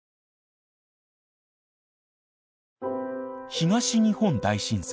東日本大震災。